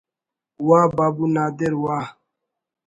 “ واہ بابو نادرؔ واہ